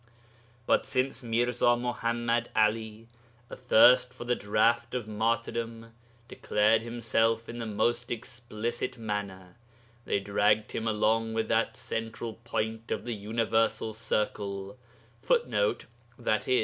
'But since Mirza Muḥammad 'Ali, athirst for the draught of martyrdom, declared (himself) in the most explicit manner, they dragged him along with that (Central) Point of the Universal Circle [Footnote: i.e.